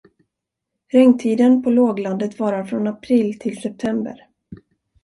Regntiden på låglandet varar från april till september.